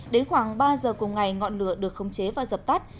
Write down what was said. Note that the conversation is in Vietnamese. đến khoảng ba giờ cùng ngày ngọn lửa được khống chế và dập tắt